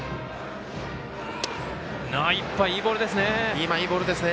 今、いいボールですね。